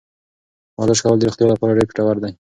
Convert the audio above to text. ورزش کول د روغتیا لپاره ډېر ګټور دی.